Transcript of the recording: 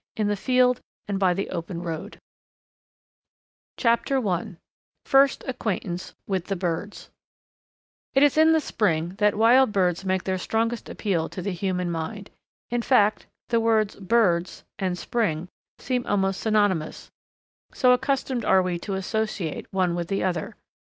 ..... 257 THE BIRD STUDY BOOK CHAPTER I FIRST ACQUAINTANCE WITH THE BIRDS It is in spring that wild birds make their strongest appeal to the human mind; in fact, the words "birds" and "spring" seem almost synonymous, so accustomed are we to associate one with the other.